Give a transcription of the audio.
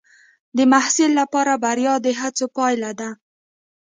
د محصل لپاره بریا د هڅو پایله ده.